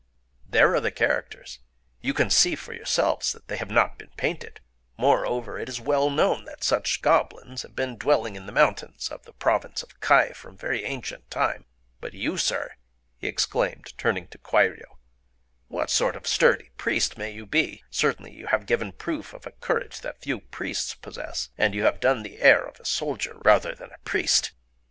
There are the characters: you can see for yourselves that they have not been painted. Moreover, it is well known that such goblins have been dwelling in the mountains of the province of Kai from very ancient time... But you, Sir," he exclaimed, turning to Kwairyō,—"what sort of sturdy priest may you be? Certainly you have given proof of a courage that few priests possess; and you have the air of a soldier rather than a priest.